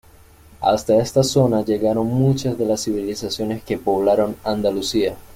Hasta esta zona llegaron muchas de las civilizaciones que poblaron Andalucía.